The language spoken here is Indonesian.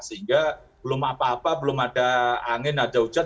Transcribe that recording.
sehingga belum apa apa belum ada angin ada hujan